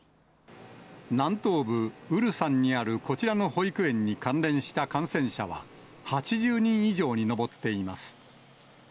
南東部ウルサンにある、こちらの保育園に関連した感染者は８０人以上に上っています。